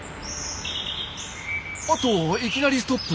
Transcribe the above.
あっといきなりストップ！